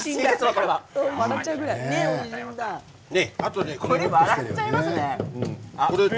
これ、笑っちゃいますね。